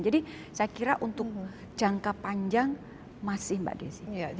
jadi saya kira untuk jangka panjang masih mbak desy